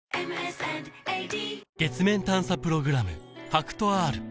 月面探査プログラム